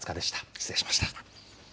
失礼しました。